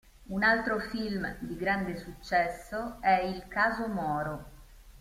Un altro film di grande successo è "Il caso Moro".